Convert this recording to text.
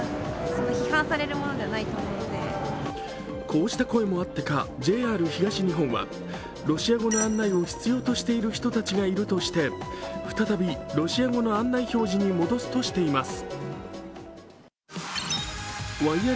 こうした声もあってか、ＪＲ東日本はロシア語の案内を必要としている人たちがいるとして、再びロシア語の案内表示に戻すとしています。